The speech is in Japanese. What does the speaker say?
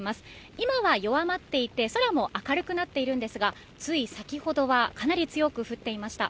今は弱まっていて、空も明るくなっているんですがつい先ほどはかなり強く降っていました。